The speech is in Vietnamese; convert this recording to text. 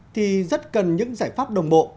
thì rất cần những giải pháp đồng bộ